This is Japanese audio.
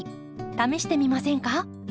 試してみませんか？